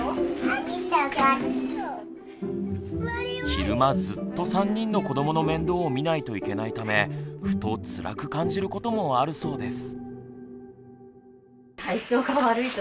昼間ずっと３人の子どもの面倒を見ないといけないためふとつらく感じることもあるそうです。